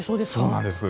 そうなんです。